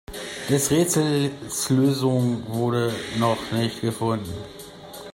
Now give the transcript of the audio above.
Des Rätsels Lösung wurde noch nicht gefunden.